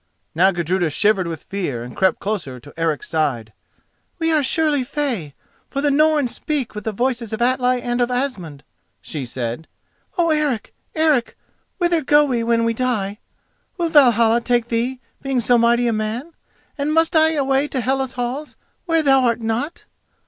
Now Gudruda shivered with fear, and crept closer to Eric's side. "We are surely fey, for the Norns speak with the voices of Atli and of Asmund," she said. "Oh, Eric! Eric! whither go we when we die? Will Valhalla take thee, being so mighty a man, and must I away to Hela's halls, where thou art not?